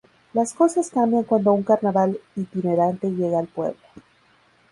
Las cosas cambian cuando un carnaval itinerante llega al pueblo.